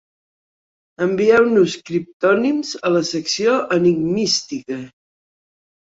Envieu-nos criptònims a la Secció Enigmística.